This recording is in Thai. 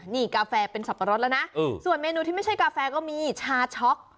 นี่กาแฟเป็นสับปะรดแล้วนะส่วนเมนูที่ไม่ใช่กาแฟก็มีชาช็อก